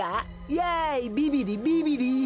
やいビビりビビり！